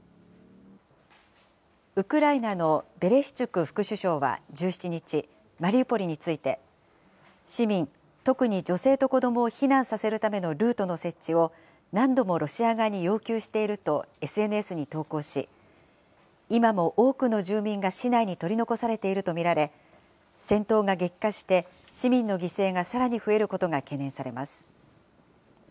ウクライナのベレシチュク副首相は１７日、マリウポリについて、市民、特に女性と子どもを避難させるためのルートの設置を、何度もロシア側に要求しているとＳＮＳに投稿し、今も多くの住民が市内に取り残されていると見られ、戦闘が激化して、市民の犠牲がさらに増えることが懸念されます。